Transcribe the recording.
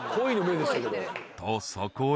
［とそこへ］